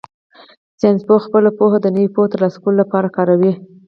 ساینسپوه خپله پوهه د نوې پوهې د ترلاسه کولو لپاره کاروي.